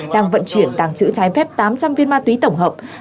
đang vận chuyển tàng trữ trái phép tám trăm linh viên ma túy tổng hợp